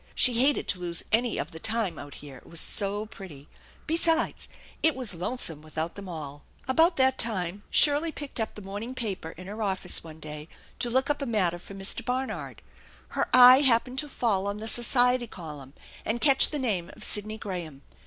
She hated to lose any of the time out here, it was so pretty. Besides, it was lonesome without them all. About that time Shirley picked up the morning paper in 174 THE ENCiiANTED BARN her office one day to look up a matter for Mr. Barnard. Her eye happened to fall on the society column and catch the name of Sidney Graham.